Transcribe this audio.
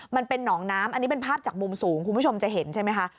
มันเป็นหนองน้ำอันนี้เป็นภาพจากมุมสูงคุณผู้ชมจะเห็นใช่ไหมคะ